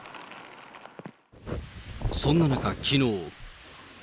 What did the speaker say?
そんな中、きのう。